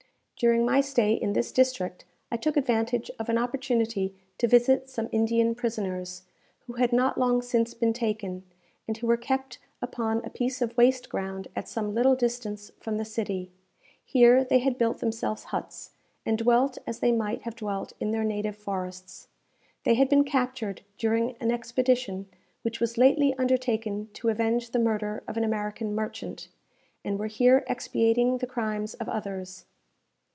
During my stay in this district, I took advantage of an opportunity to visit some Indian prisoners, who had not long since been taken, and who were kept upon a piece of waste ground at some little distance from the city. Here they had built themselves huts, and dwelt as they might have dwelt in their native forests. They had been captured during an expedition which was lately undertaken to avenge the murder of an American merchant, and were here expiating the crimes of others.